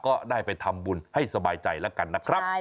ก็ได้ไปทำบุญให้สบายใจแล้วกันนะครับ